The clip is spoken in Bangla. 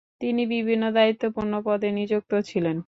তিনি বিভিন্ন দায়িত্বপূর্ণ পদে নিযুক্ত ছিলেন।